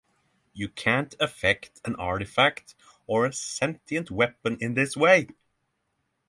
You can’t affect an artifact or a sentient weapon in this way.